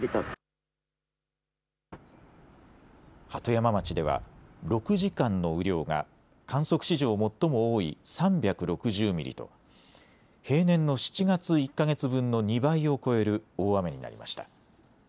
鳩山町では６時間の雨量が観測史上、最も多い３６０ミリと平年の７月１か月分の２倍を超える大雨になりました。